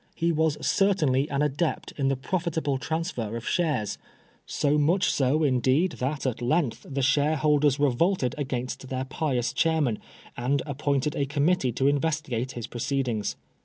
He was certainly an adept in the profitable transfer of shares : so much so, indeed, that at length the shareholders revolted against their pious chairman, aud appointed a committee to investi gate his proceedings.